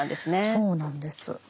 そうなんです。